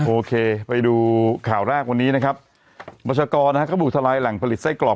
โอเคไปดูข่าวแรกวันนี้นะครับบัชกรนะฮะก็บุกทลายแหล่งผลิตไส้กรอก